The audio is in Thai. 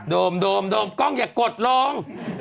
โดมโดมโดมกล้องอย่ากดลอง